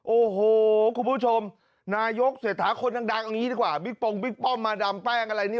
โอ้โหคุณผู้ชมนายกเศรษฐาคนดังเอาอย่างนี้ดีกว่าบิ๊กปงบิ๊กป้อมมาดามแป้งอะไรนี่